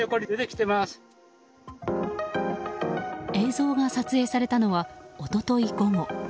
映像が撮影されたのは一昨日午後。